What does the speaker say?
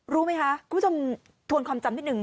รู้ไหมคะคุณผู้ชมทวนความจำนิดนึ